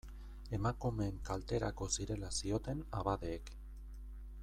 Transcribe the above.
Emakumeen kalterako zirela zioten abadeek.